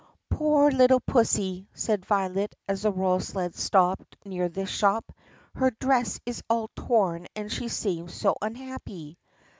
"Poor little pussy!" said Violet as the royal sled stopped near this shop, "her dress is all torn and she seems so unhappy!"